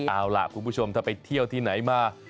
เอาล่ะคุณผู้ชมถ้าไปเที่ยวที่ไหนมา